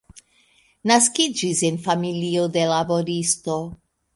Naskiĝis en familio de laboristo.